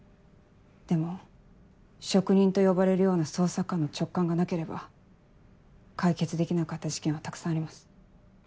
でも職人と呼ばれるような捜査官の直感がなければ解決できなかった事件はたくさんあります。